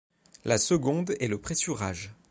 La seconde est le pressurage.